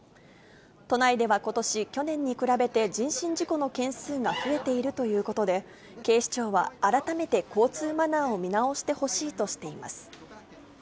都内ではことし、去年に比べて、人身事故の件数が増えているということで、警視庁は改めて交通マナーを見直してほしいとしています。